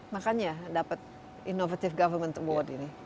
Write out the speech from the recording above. makanya dapat inovative government award ini